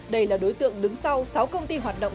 đây là đối tượng đứng sau sáu công ty hoạt động